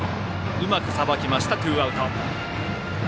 うまく、さばきましたツーアウト。